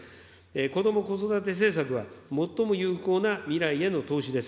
こども・子育て政策は最も有効な未来への投資です。